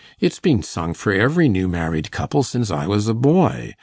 It's been sung for every new married couple since I was a boy.